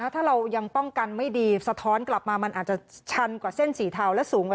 ถ้าเรายังป้องกันไม่ดีสะท้อนกลับมามันอาจจะชันกว่าเส้นสีเทาและสูงกว่า